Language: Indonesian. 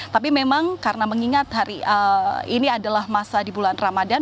tapi memang karena mengingat hari ini adalah masa di bulan ramadan